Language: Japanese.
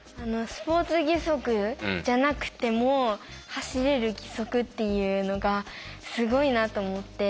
スポーツ義足じゃなくても走れる義足っていうのがすごいなと思って。